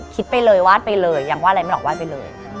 คิดไปเลยวาดไปเลยยังว่าอะไรไม่ออกไห้ไปเลย